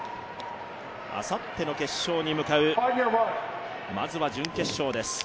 あさっての決勝に向かう、まずは準決勝です。